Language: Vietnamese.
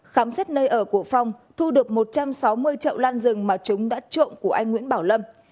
khám xét nơi ở của phong thu được một trăm sáu mươi trậu lan rừng mà chúng đã trộm của anh nguyễn bảo lâm